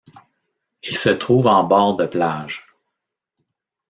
Il se trouve en bord de plage.